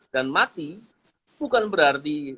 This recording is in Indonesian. dan mati bukan berarti